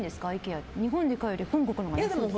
日本で買うより本国のほうが安いんですか？